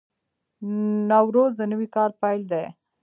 نوروز د نوي کال پیل دی.